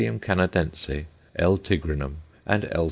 Canadense_, L. tigrinum, and _L.